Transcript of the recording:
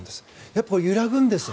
やっぱり揺らぐんです。